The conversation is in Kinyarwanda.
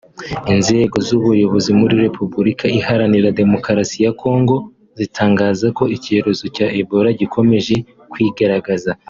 Inzego z’ubuyobozi muri Repubulika Iharanira Demokarasi ya Congo zitangaza ko icyorezo cya Ebola gikomeje kwigaragaza